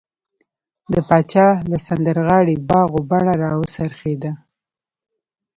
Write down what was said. د پاچا له سمندرغاړې باغ و بڼه راوڅرخېدو.